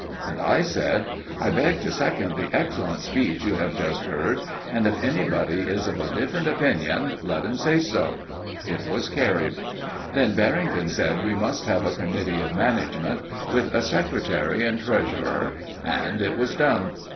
And I said: "I beg to second the excellent speech we have just heard, and if anybody is of a different opinion, let him say so." It was carried. Then Barrington said we must have a committee of management, with a secretary and treasurer, and it was done.